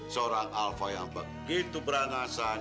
seorang alpha yang begitu beranasan